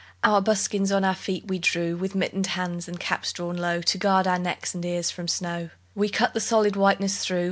Our buskins on our feet we drew; With mittened hands, and caps drawn low To guard our necks and ears from snow, We cut the solid whiteness through.